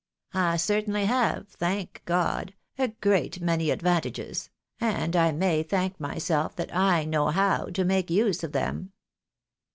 I certainly have, thank God ! a great many advantages — and I may thank myself that I know how to make use of them."